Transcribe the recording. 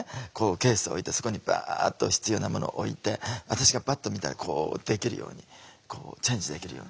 ケースを置いてそこにバッと必要なものを置いて私がバッと見たらこうできるようにチェンジできるように。